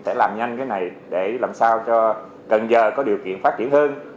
sẽ làm nhanh cái này để làm sao cho cần giờ có điều kiện phát triển hơn